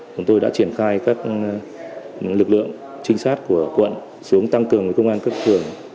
chúng tôi đã triển khai các lực lượng trinh sát của quận xuống tăng cường với công an cấp phường